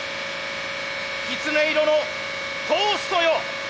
きつね色のトーストよ！